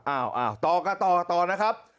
อ้าวต่อกะต่อนะครับ